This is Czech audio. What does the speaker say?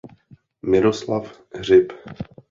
Miroslav Hřib.